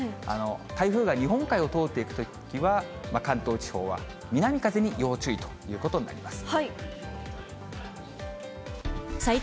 台風が日本海を通っていくときは、関東地方は南風に要注意ということになります。